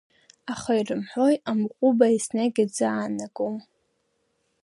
Аха ирымҳәои амҟәыба еснагь аӡы аанагом?